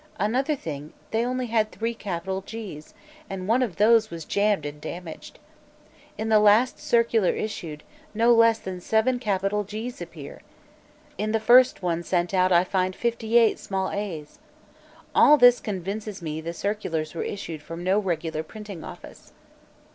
Another thing, they had only three capital G's, and one of those was jammed and damaged. In the last circular issued, no less than seven capital G's appear. In the first one sent out I find fifty eight small a's. All this convinces me the circulars were issued from no regular printing office."